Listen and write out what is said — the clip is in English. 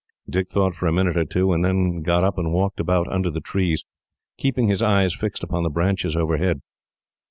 Dick thought for a minute or two, and then got up and walked about under the trees, keeping his eyes fixed upon the branches overhead.